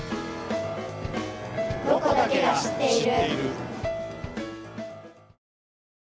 「ロコだけが知っている」。